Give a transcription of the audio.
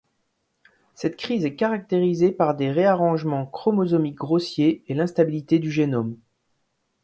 Cette crise est caractérisée par des réarrangements chromosomiques grossiers et l'instabilité du génome.